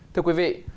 thưa quý vị